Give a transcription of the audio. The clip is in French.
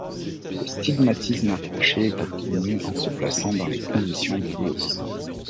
Le stigmatisme approché est obtenu en se plaçant dans les conditions de Gauss.